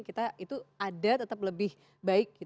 kita itu ada tetap lebih baik